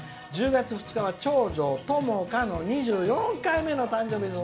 １０月２日、長女ともかの２４回目の誕生日です」。